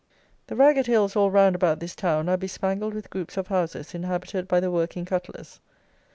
The ragged hills all round about this town are bespangled with groups of houses inhabited by the working cutlers.